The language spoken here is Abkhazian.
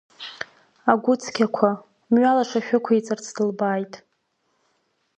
Агәыцқьақәа, мҩалаша шәықәиҵарц дылбааит.